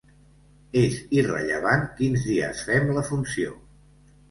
És irrellevant quins dies fem la funció.